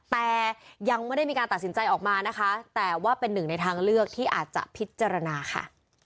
แต่ยังไม่ได้มีการตัดสินใจออกมานะคะแต่ว่าเป็นหนึ่งในทางเลือกที่อาจจะพิจารณาค่ะ